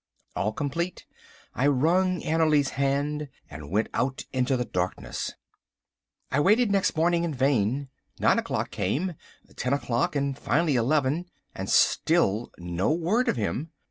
All complete, I wrung Annerly's hand, and went out into the darkness. I waited next morning in vain. Nine o'clock came, ten o'clock, and finally eleven, and still no word of him.